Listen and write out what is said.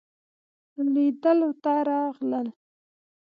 لیدلو ته راغلل.